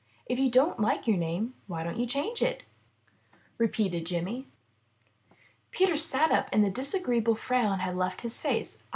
"If you don't like your name, why don't you change it?" repeated Jimmy. Peter sat up and the disagreeable frown had left his face.